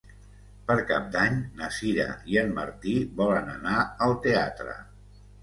Per Cap d'Any na Sira i en Martí volen anar al teatre.